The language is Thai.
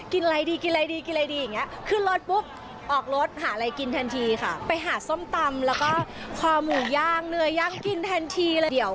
กินอะไรดีอย่างเงี้ย